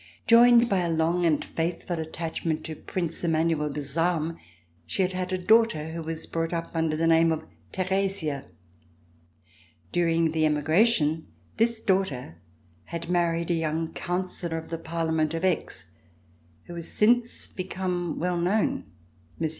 Joined by a long and faithful attachment to Prince Emmanuel de Salm, she had had a daughter who was brought up under the name of Theresia. During the emigra tion this daughter had married a young counsellor of the Parlement of Aix who has since become well known, M. de Vitrolles.